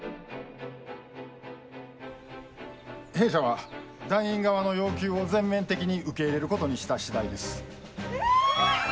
「弊社は団員側の要求を全面的に受け入れることにした次第です」。